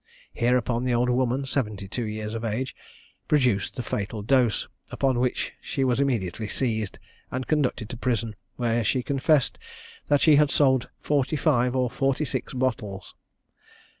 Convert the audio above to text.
Hereupon the old woman, seventy two years of age, produced the fatal dose; upon which she was immediately seized, and conducted to prison, where she confessed that she had sold forty five or forty six bottles.